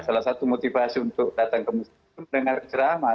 salah satu motivasi untuk datang ke masjid itu mendengar ceramah